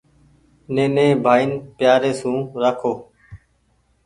نيني ڀآئين پيآري سون رآکو ۔